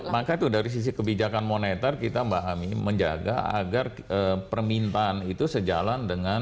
maka itu dari sisi kebijakan moneter kita memahami menjaga agar permintaan itu sejalan dengan